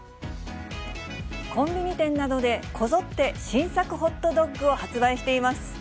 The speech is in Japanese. コンビニ店などでこぞって新作ホットドッグを発売しています。